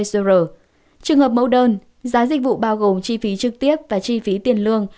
trường hợp mẫu đơn giá dịch vụ bao gồm chi phí trực tiếp và chi phí tiền lương